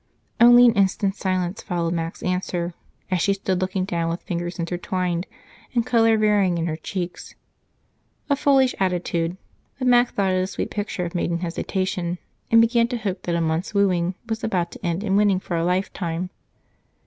Only an instant's silence followed Mac's answer as she stood looking down with fingers intertwined and color varying in her cheeks. A foolish attitude, but Mac thought it a sweet picture of maiden hesitation and began to hope that a month's wooing was about to end in winning for a lifetime.